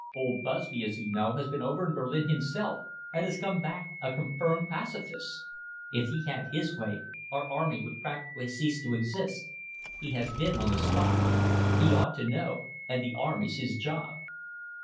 Old Busby, as you know, has been over in Berlin himself and has come back a confirmed pacifist. If he had his way, our army would practically cease to exist. He has been on the spot. He ought to know, and the army's his job."